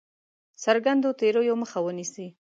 څرګندو تېریو مخه ونیسي.